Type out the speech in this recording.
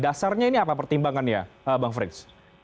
dasarnya ini apa pertimbangannya bang frits